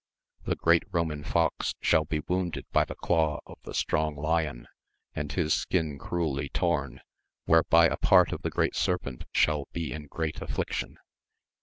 The great Roman Fox shall be wounded by the claw of the strong Lion, and his skin cruelly torn, whereby a part of the great Serpent shall be in great affiction.